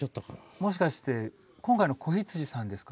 もしかして今回の子羊さんですか？